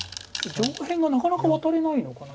上辺がなかなかワタれないのかな。